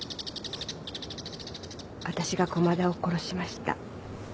私が駒田を殺しました。